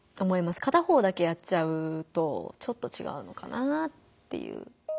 片方だけやっちゃうとちょっとちがうのかなぁっていう。